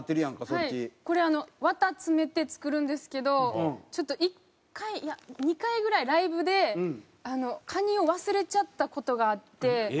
これ綿詰めて作るんですけどちょっと１回いや２回ぐらいライブでカニを忘れちゃった事があって。